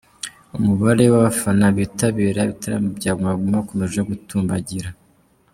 Umubare w'abafana bitabira ibitaramo bya Guma Guma ukomeza gutumbagira.